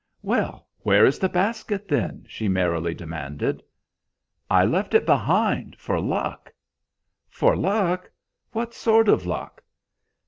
"Well, where is the basket, then?" she merrily demanded. "I left it behind, for luck." "For luck? What sort of luck?"